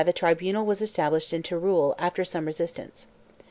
In 1485 a tribunal was established in Teruel after some resistance.